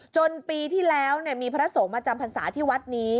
จนปีที่แล้วมีพระสงฆ์มาจำพรรษาที่วัดนี้